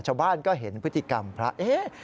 ชาวบ้านก็เห็นพฤติกรรมพระเอ๊ะ